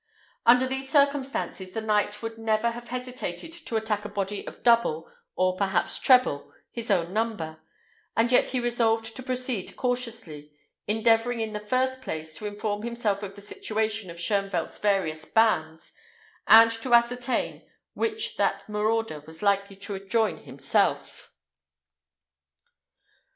Under these circumstances, the knight would never have hesitated to attack a body of double, or perhaps treble, his own number; and yet he resolved to proceed cautiously, endeavouring in the first place to inform himself of the situation of Shoenvelt's various bands, and to ascertain which that marauder was likely to join himself.